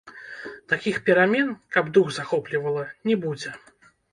Такіх перамен, каб дух захоплівала, не будзе.